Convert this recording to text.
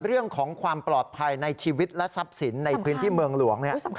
เรื่องของความปลอดภัยในชีวิตและทรัพย์สินในพื้นที่เมืองหลวง